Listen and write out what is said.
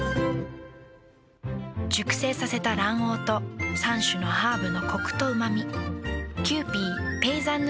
熟成させた卵黄と３種のハーブのコクとうま味。